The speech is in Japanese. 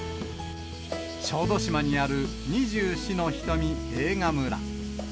小豆島にある二十四の瞳映画村。